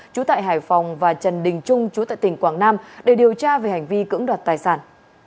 chú tại hải phòng và trần đình trung chú tại tỉnh quảng nam để điều tra về hành vi cưỡng đoạt tài sản